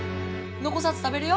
残さず食べれよ！